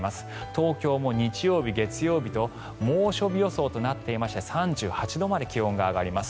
東京も日曜日、月曜日と猛暑日予想となっていまして３８度まで気温が上がります。